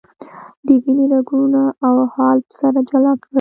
د وینې رګونه او حالب سره جلا کړئ.